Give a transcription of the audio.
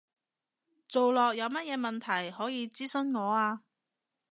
做落有乜嘢問題，可以諮詢我啊